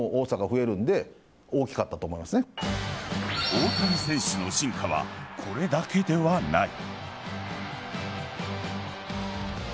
大谷選手の進化はこれだけではない。